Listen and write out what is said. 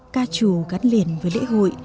ca chủ gắn liền với lễ hội